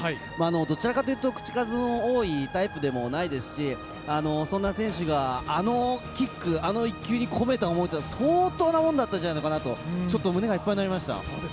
どちらかというと口数の多いタイプでもないですし、そんな選手がキック、あの一球に込めた思いは相当なものだったんじゃないかなと胸がいっぱいになりました。